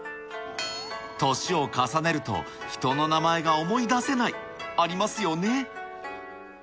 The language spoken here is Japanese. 年を重ねると、人の名前が思い出せない、ありますよね。